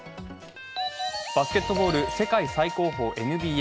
バスケットボール世界最高峰・ＮＢＡ。